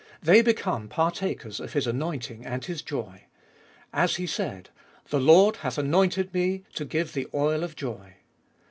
They become partakers of His anointing and His joy. As He said, " The Lord hath anointed Me to give the oil of joy."